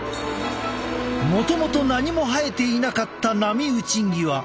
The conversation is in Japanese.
もともと何も生えていなかった波打ち際。